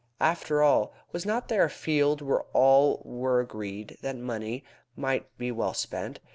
After all, was not there a field where all were agreed that money might be well spent?